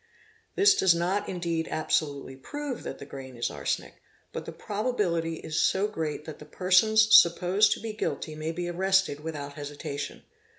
This does not indeed absolutely prove that the grain is arsenic, but the probability is so great that the persons supposed to be guilty may be arrested without hesitation.